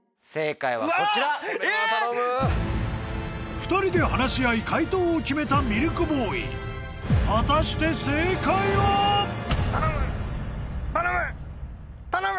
２人で話し合い解答を決めたミルクボーイ果たして正解は⁉頼む頼む頼む！